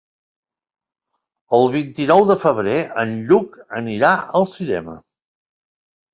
El vint-i-nou de febrer en Lluc anirà al cinema.